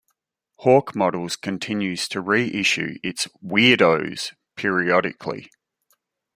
Hawk Models continues to re-issue its "Weird-Oh's" periodically.